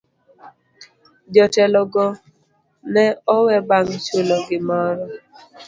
Jotelo go ne owe bang' chulo gimoro.